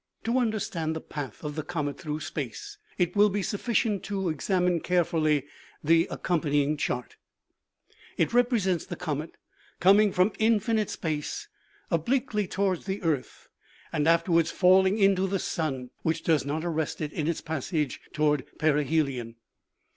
To understand the path of the comet through space, it will be sufficient to examine carefully the accompanying chart. It represents the comet coming from infinite space obliquely towards the earth, and afterwards falling into the sun which does not arrest it in its passage toward perihelion.